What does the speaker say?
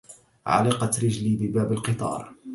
علقت رجلي بباب القطار.